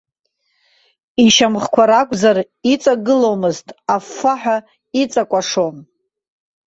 Ишьамхқәа ракәзар, иҵагыломызт, аффаҳәа иҵакәашон.